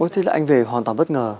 thế là anh về hoàn toàn bất ngờ